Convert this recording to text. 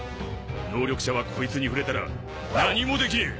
能力者はこいつに触れたら何もできねえ！